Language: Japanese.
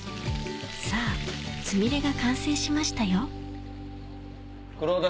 さぁつみれが完成しましたよ